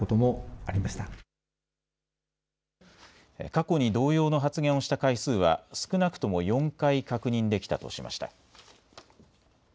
過去に同様の発言をした回数は少なくとも４回確認できたとしました。